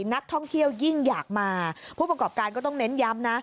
นักท่องเที่ยวยิ่งอยากมาผู้ประกอบการก็ต้องเน้นย้ำนะ